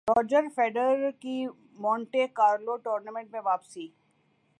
Roger Federer کی Monte Carlo tournament میں واپسی